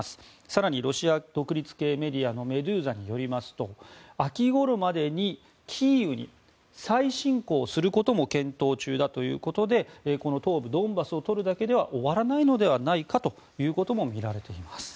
更に、ロシア独立系メディアのメドゥーザによりますと秋ごろにキーウに再侵攻することも検討中だということでこの東部ドンバスを取るだけでは終わらないのではないかともみられています。